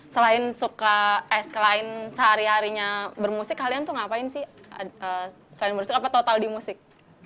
selain suka es klien sehari harinya bermusik kalian tuh ngapain sih selain bersikap apa total di musik